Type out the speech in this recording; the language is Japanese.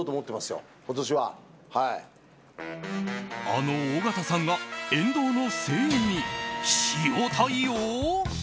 あの尾形さんが沿道の声援に塩対応？